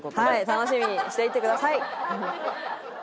楽しみにしていてください。